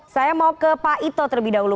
saya mau ke pak ito terlebih dahulu